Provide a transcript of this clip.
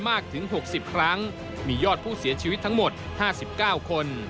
มากถึง๖๐ครั้งมียอดผู้เสียชีวิตทั้งหมด๕๙คน